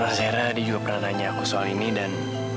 mas hera dia juga pernah nanya aku soal ini dan